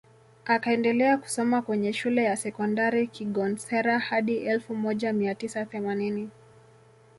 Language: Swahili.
Akaendelea kusoma kwenye Shule ya Sekondari Kigonsera hadi elfu moja mia tisa themanini